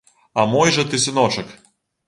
А мой жа ты сыночак!